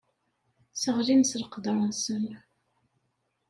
Sseɣlin s leqder-nsen.